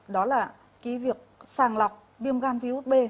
đó là cái việc sàng lọc viêm gan virus b